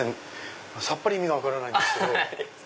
さっぱり意味が分からないんですけど。